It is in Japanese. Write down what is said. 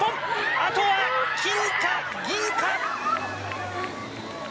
あとは金か銀か。